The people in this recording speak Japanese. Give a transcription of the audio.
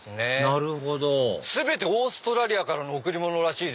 なるほど全てオーストラリアからの贈り物らしい。